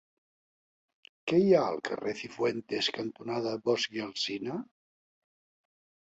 Què hi ha al carrer Cifuentes cantonada Bosch i Alsina?